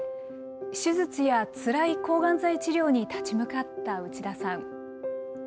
手術やつらい抗がん剤治療に立ち向かった内田さん。